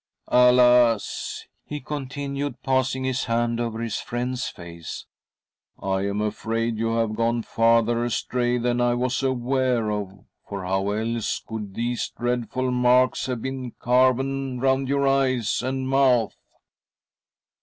Alas," he continued, passing his hand over his friend's face, "lam afraid you have gone farther astray than I was aware of, for how else could these dreadful marks have been carven round your eyes : and mouth?